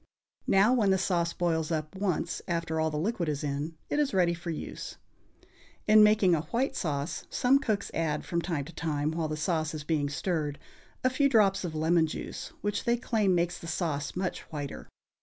Now, when the sauce boils up once after all the liquid is in, it is ready for use. In making a white sauce some cooks add, from time to time while the sauce is being stirred, a few drops of lemon juice, which they claim makes the sauce much whiter.